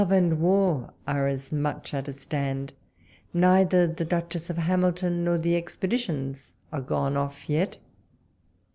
Love and war are as much at a stand ; neither the Duchess of Hamilton, nor the ex peditions are gone off yet.